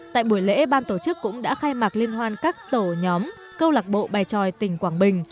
tại buổi lễ ban tổ chức cũng đã khai mạc liên hoan các tổ nhóm câu lạc bộ bài tròi tỉnh quảng bình